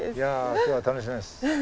今日は楽しみです。